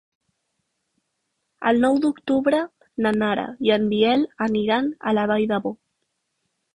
El nou d'octubre na Nara i en Biel aniran a la Vall d'Ebo.